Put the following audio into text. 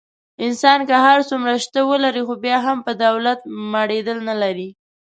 انسان که هر څومره شته ولري. خو بیا هم په دولت مړېدل نه لري.